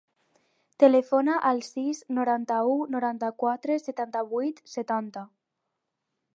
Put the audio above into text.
Telefona al sis, noranta-u, noranta-quatre, setanta-vuit, setanta.